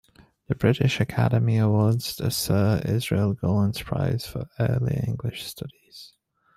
The British Academy awards the Sir Israel Gollancz prize for Early English Studies.